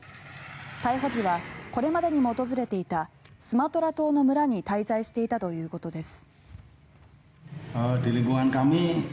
逮捕時はこれまでにも訪れていたスマトラ島の村に滞在していたということです。